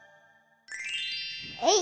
えい。